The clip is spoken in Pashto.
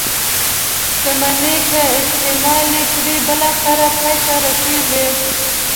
شتمني که استعمال یې کړئ بالاخره پای ته رسيږي.